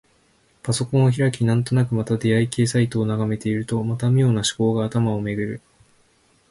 パソコンを開き、なんとなくまた出会い系サイトを眺めているとまた、妙な思考が頭をめぐる。